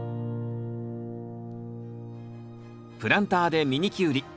プランターでミニキュウリ。